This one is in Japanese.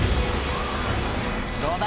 どうだ？